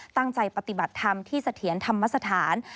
ตั้งใจปฏิบัติธรรมที่สะเทียนธรรมสถาน